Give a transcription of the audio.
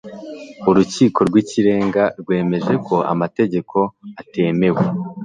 urukiko rw'ikirenga rwemeje ko amategeko atemewe